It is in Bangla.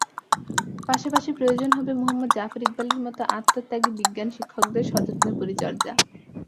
পাশাপাশি প্রয়োজন হবে মুহম্মদ জাফর ইকবালের মতো আত্মত্যাগী বিজ্ঞান শিক্ষকদের সযত্নে পরিচর্যা।